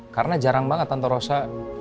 karena jarang banget tante rosa